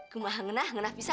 gue mah ngenah ngenah bisa